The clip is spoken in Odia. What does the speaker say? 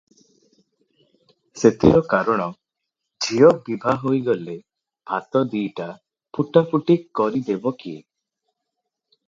ସେଥିର କାରଣ, ଝିଅ ବିଭା ହୋଇ ଗଲେ ଭାତ ଦି'ଟା ଫୁଟାଫୁଟି କରି ଦେବ କିଏ?